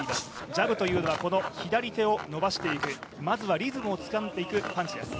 ジャブというのは左手を伸ばしていく、まずはリズムをつかんでいくパンチです。